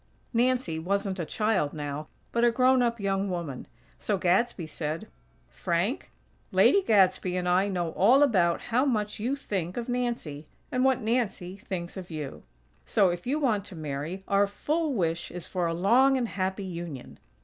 Nancy wasn't a child, now, but a grown up young woman; so Gadsby said: "Frank, Lady Gadsby and I know all about how much you think of Nancy; and what Nancy thinks of you. So, if you want to marry, our full wish is for a long and happy union.